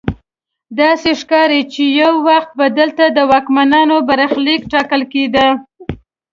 داسې ښکاري چې یو وخت به دلته د واکمنانو برخلیک ټاکل کیده.